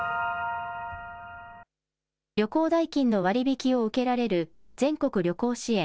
旅行代金の割引を受けられる全国旅行支援。